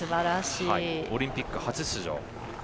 オリンピック初出場。